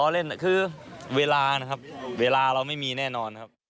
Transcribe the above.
เล่นคือเวลานะครับเวลาเราไม่มีแน่นอนครับ